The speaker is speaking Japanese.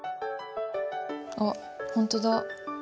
あっほんとだ。